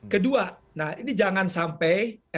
kedua ini jangan sampai